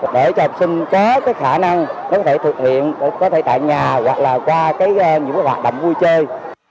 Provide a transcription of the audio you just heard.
để cho học sinh có khả năng có thể thực hiện có thể tại nhà hoặc là qua những hoạt động vui chơi